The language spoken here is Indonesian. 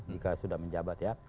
jika sudah menjabat ya